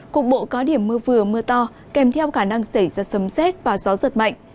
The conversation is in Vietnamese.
cục bộ có điểm mưa vừa mưa to kèm theo khả năng xảy ra sấm xét và gió giật mạnh